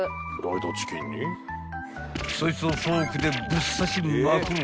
［そいつをフォークでぶっ刺しまくる］